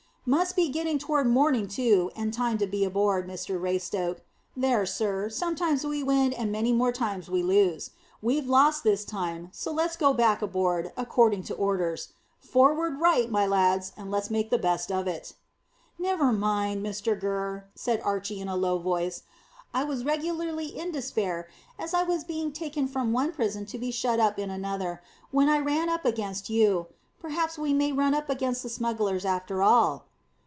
"Must be getting toward morning too, and time to be aboard, Mr Raystoke. There, sir, sometimes we win and many more times we lose. We've lost this time, so let's go back aboard, according to orders. Forward right, my lads, and let's make the best of it." "Never mind, Mr Gurr," said Archy in a low voice. "I was regularly in despair as I was being taken from one prison to be shut up in another, when I ran up against you. Perhaps we may run up against the smugglers after all."